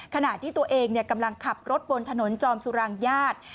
ขณะที่ตัวเองกำลังขับรถบนถนนจอมสุรางญาติ